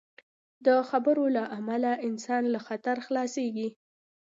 د خبرو له امله انسان له خطر خلاصېږي.